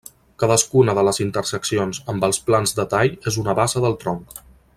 Cadascuna de les interseccions amb els plans de tall és una base del tronc.